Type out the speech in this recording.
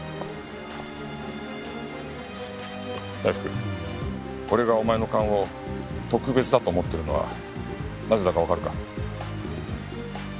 大福俺がお前の勘を特別だと思ってるのはなぜだかわかるか？